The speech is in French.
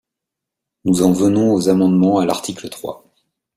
Nous en venons aux amendements à l’article trois.